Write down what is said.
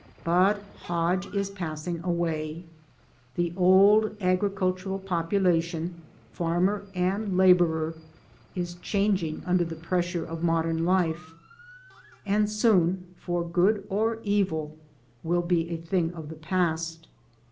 " But Hodge is passing away. The old agricultural population (farmer and labourer) is changing under the pressure of modern life ; and soon for good or evil will be a thing of the past.